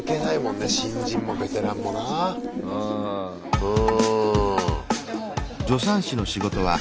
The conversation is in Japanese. うん。